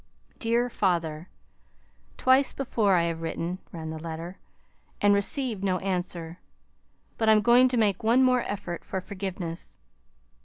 DEAR FATHER: Twice before I have written [ran the letter], and received no answer. But I'm going to make one more effort for forgiveness.